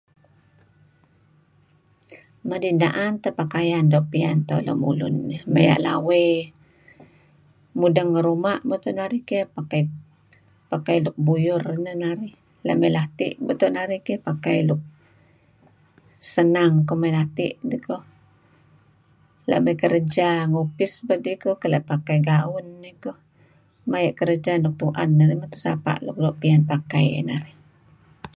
Manid na'an teh pakaian doo' piyan tauh lemulun eh. Maya' lawey mudeng ngi ruma' beto' narih keh pakai nuk buyur neh narih. La' mey lati' beto' narih keh pakai nuk senang koh mey lati' nikoh. La' mey kerja ngi upis beto' koh keh la' pakai gaun neh narih. Maya' kerja nuk tu'en narih teh sapa' nuk doo' piyan pakai narih.